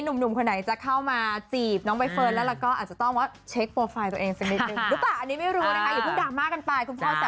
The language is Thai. คุณฟ่าไอจีรายจริงผมถามนะ